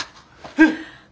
えっ！？